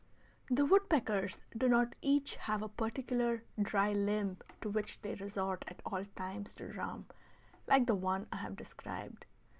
The woodpeckers do not each have a particular dry limb to which they resort at all times to drum, like the one I have described.